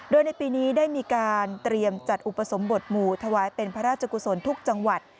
โดยในปีนี้ได้มีการเตรียมจัดอุปสมบทหมู่ถวายเป็นพระราชกุศลทุกจังหวัด